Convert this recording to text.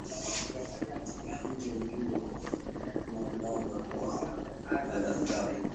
Hivo Ndio Kunaendaga kwa wenye dhambi.